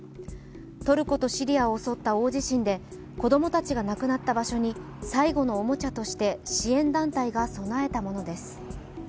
トルコとシリアを襲った大地震で子供たちが亡くなった場所に最後のおもちゃとして支援団体が供えたものです。